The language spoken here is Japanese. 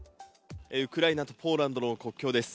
ウクライナとポーランドの国境です。